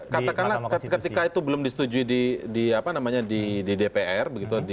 katakanlah ketika itu belum disetujui di dpr begitu